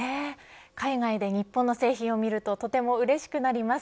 海外で日本の製品を見るととてもうれしくなります。